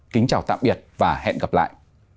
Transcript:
kính chào tạm biệt và hẹn gặp lại